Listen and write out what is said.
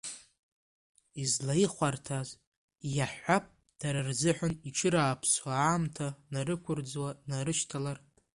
Излаихәарҭаз, иаҳҳәап, дара рзыҳәан иҽырааԥсо, аамҭа нарықәырӡуа днарышьҭалар?